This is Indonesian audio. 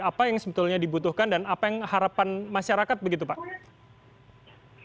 apa yang sebetulnya dibutuhkan dan apa yang harapan masyarakat begitu pak